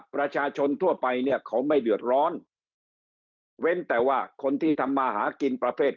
ประชาชนทั่วไปเนี่ยเขาไม่เดือดร้อนเว้นแต่ว่าคนที่ทำมาหากินประเภท